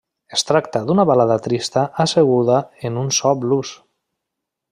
Es tracta d'una balada trista asseguda en un so blues.